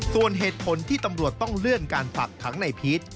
ส่วนเหตุผลที่ตำรวจต้องเลื่อนการฝากขังในพีช